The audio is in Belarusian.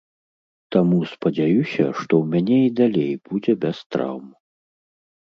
Таму спадзяюся, што ў мяне і далей будзе без траўм.